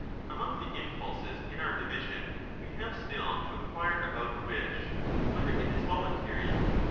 Among the impulses in our division we have still to inquire about wish, whether it is voluntary.